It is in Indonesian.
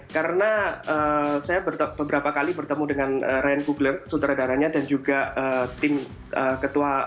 karena saya bertobat beberapa kali bertemu dengan ryan coogler sutradaranya dan juga tim ketua